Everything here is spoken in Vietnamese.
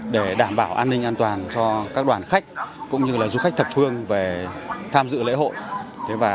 để đảm bảo an ninh an toàn cho các đoàn khách cũng như là du khách thập phương về tham dự lễ hội